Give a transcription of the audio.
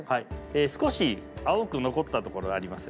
少し青く残ったところありますよね。